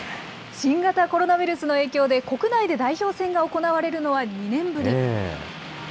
新型コロナウイルスの影響で、国内で代表戦が行われるのは２年ぶり。